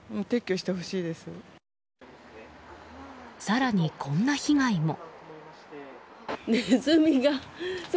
更に、こんな被害も。